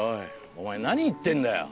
お前何言ってんだよ。